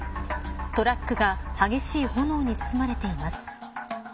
トラックが激しい炎に包まれています。